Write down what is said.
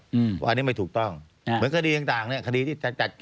เพราะอันนี้ไม่ถูกต้องเหมือนคดีต่างเนี่ย